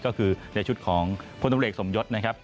ก็คือในชุดของพลตำรวจเอกสมยศนะครับ